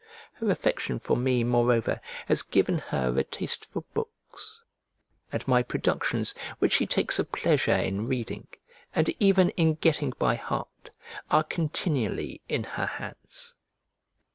Her affection for me, moreover, has given her a taste for books, and my productions, which she takes a pleasure in reading, and even in getting by heart, are continually in her hands.